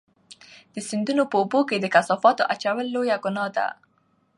د سیندونو په اوبو کې د کثافاتو اچول لویه ګناه ده.